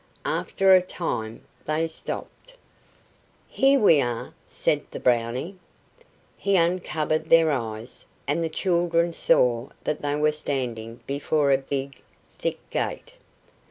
After a time they stopped. "Here we are," said the Brownie. He uncovered their eyes, and the children saw that they were standing before a big, thick gate.